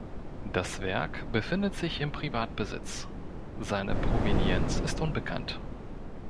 Das Werk befindet sich in Privatbesitz; seine Provenienz ist unbekannt.